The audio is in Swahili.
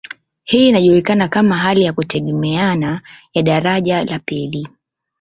Hii inajulikana kama hali ya kutegemeana ya daraja la pili.